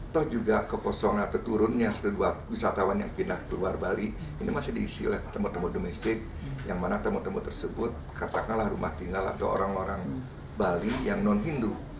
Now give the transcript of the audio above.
toh juga kekosongan atau turunnya wisatawan yang pindah ke luar bali ini masih diisi oleh teman teman domestik yang mana temu temu tersebut katakanlah rumah tinggal atau orang orang bali yang non hindu